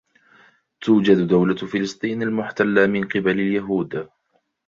توجد دولة فلسطين المحتلة من قبل اليهود